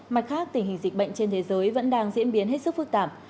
mặt khác tình hình dịch bệnh trên thế giới vẫn đang diễn biến hết sức phức tạp